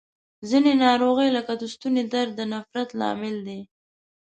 ځینې ناروغۍ لکه د ستوني درد د نفریت لامل دي.